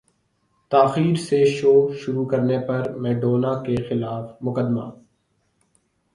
تاخیر سے شو شروع کرنے پر میڈونا کے خلاف مقدمہ